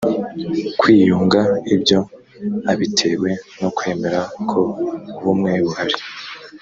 kwiyunga ibyo abitewe no kwemera ko ubumwe buhari